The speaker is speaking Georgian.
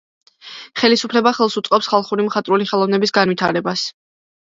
ხელისუფლება ხელს უწყობს ხალხური მხატვრული ხელოვნების განვითარებას.